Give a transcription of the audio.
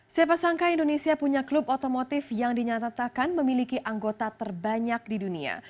siapa sangka indonesia punya klub otomotif yang dinyatakan memiliki anggota terbanyak di dunia